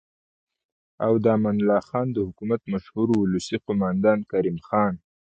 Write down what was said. او د امان الله خان د حکومت مشهور ولسي قوماندان کریم خان